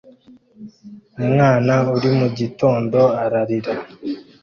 Umwana uri mu gitondo ararira